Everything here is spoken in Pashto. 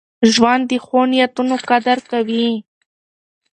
ژوند د ښو نیتونو قدر کوي.